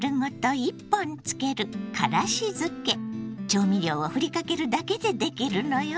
調味料をふりかけるだけでできるのよ。